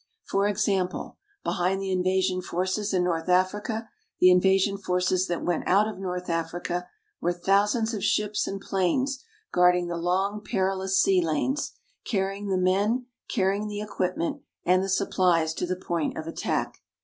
For example, behind the invasion forces in North Africa, the invasion forces that went out of North Africa, were thousands of ships and planes guarding the long, perilous sea lanes, carrying the men, carrying the equipment and the supplies to the point of attack.